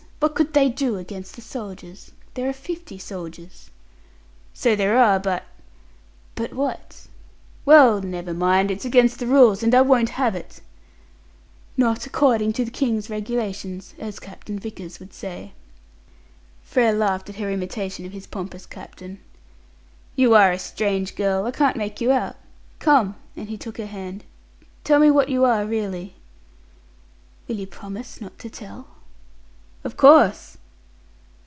What could they do against the soldiers? There are fifty soldiers." "So there are, but " "But what?" "Well, never mind. It's against the rules, and I won't have it." "'Not according to the King's Regulations,' as Captain Vickers would say." Frere laughed at her imitation of his pompous captain. "You are a strange girl; I can't make you out. Come," and he took her hand, "tell me what you are really." "Will you promise not to tell?" "Of course."